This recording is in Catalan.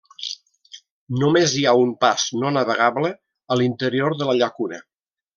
Només hi ha un pas no navegable a l'interior de la llacuna.